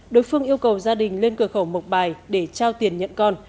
đối phương yêu cầu gia đình lên cửa khẩu mộc bài để trao tiền nhận con